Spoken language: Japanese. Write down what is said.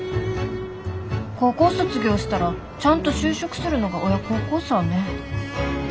高校卒業したらちゃんと就職するのが親孝行さぁねぇ。